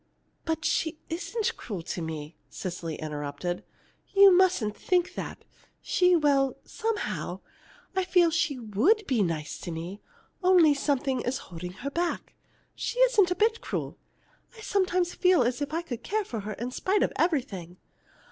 "But she isn't cruel to me," Cecily interrupted. "You mustn't think that. She well, somehow, I feel she would be nice to me, only something is holding her back. She isn't a bit cruel. I sometimes feel as if I could care for her in spite of everything.